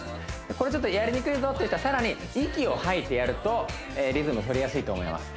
これちょっとやりにくいぞって人はさらに息を吐いてやるとリズムとりやすいと思います